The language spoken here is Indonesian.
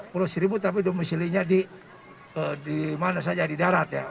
pulau seribu tapi domesilinya di mana saja di darat